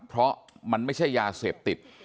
เพราะมันไม่ใช่ยาเสพติด